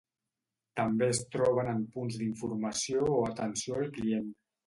També es troben en punts d'informació o d'atenció al client.